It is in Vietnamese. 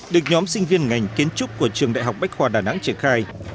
được nhóm sinh viên ngành kiến trúc của trường đại học bách khoa đà nẵng triển khai